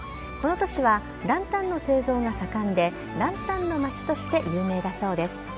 この都市はランタンの製造が盛んで、ランタンの街として有名だそうです。